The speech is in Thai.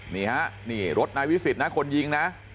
นี่ฮะนี่รถนายวิสิตนะคนยิงนะ